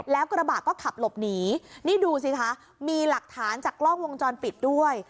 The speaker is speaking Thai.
แล้วกระบะก็ขับหลบหนีนี่ดูสิคะมีหลักฐานจากกล้องวงจรปิดด้วย